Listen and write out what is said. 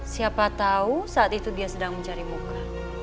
siapa tahu saat itu dia sedang mencari muka